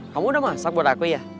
kamu udah masak buat aku ya